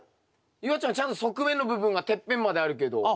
夕空ちゃんちゃんと側面の部分がてっぺんまであるけど。